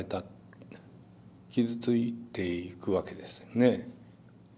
傷ついていくわけですよね。